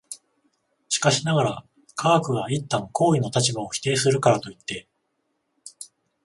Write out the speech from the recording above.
しかしながら、科学が一旦行為の立場を否定するからといって、